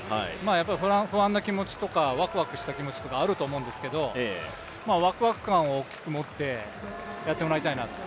やっぱり不安な気持ちとかワクワクした気持ちとかあると思いますけどワクワク感を大きく持ってやってもらいたいなと。